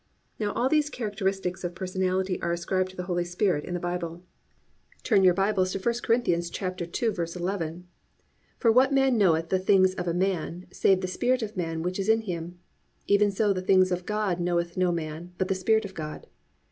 Now all these characteristics of personality are ascribed to the Holy Spirit in the Bible. (1) Turn in your Bibles to 1 Cor. 2:11. +"For what man knoweth the things of a man, save the spirit of man which is in him? Even so the things of God knoweth no man, but the Spirit of God."